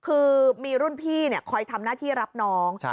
คือมีรุ่นพี่คอยทำหน้าที่รับน้อง